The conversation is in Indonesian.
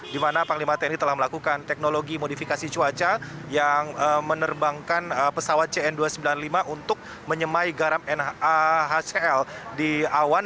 di mana panglima tni telah melakukan teknologi modifikasi cuaca yang menerbangkan pesawat cn dua ratus sembilan puluh lima untuk menyemai garam nahcl di awan